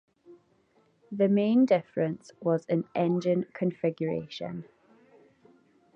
The main difference was in engine configuration.